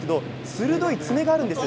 鋭い爪があるんです。